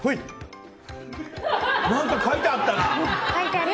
何か描いてあったな！